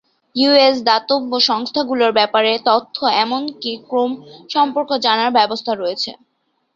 US দাতব্য সংস্থাগুলোর ব্যাপারে তথ্য, এমনকি ক্রম সম্পর্কে জানার ব্যবস্থা রয়েছে।